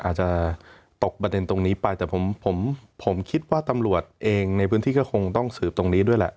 อาจจะตกประเด็นตรงนี้ไปแต่ผมผมคิดว่าตำรวจเองในพื้นที่ก็คงต้องสืบตรงนี้ด้วยแหละ